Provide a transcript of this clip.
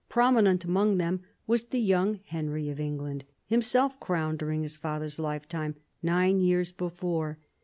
Prominent among them was the young Henry of England, himself crowned during his father's lifetime, nine years before.